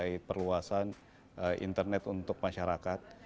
melalui perluasan internet untuk masyarakat